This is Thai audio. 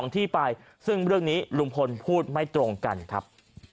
ท่านพรุ่งนี้ไม่แน่ครับ